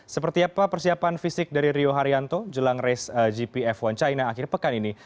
seperti apa persiapan fisik dari rio haryanto jelang race gpf satu china akhir pekan ini